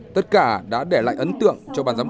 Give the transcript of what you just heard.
tất cả đã để lại ấn tượng cho bàn giáo viên